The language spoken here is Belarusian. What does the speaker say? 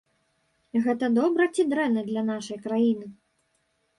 Гэта добра ці дрэнна для нашай краіны?